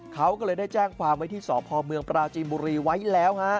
เขาก็เลยได้แจ้งความไว้ที่สพเมืองปราจีนบุรีไว้แล้วฮะ